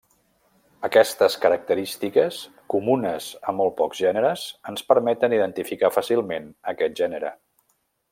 Aquestes característiques, comunes a molt pocs gèneres, ens permeten identificar fàcilment aquest gènere.